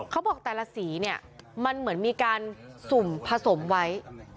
เขาบอกแต่ละสีเนี่ยมันเหมือนมีการสุ่มผสมไว้